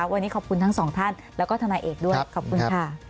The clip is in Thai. วันนี้ขอบคุณทั้งสองท่านแล้วก็ทนายเอกด้วยขอบคุณค่ะ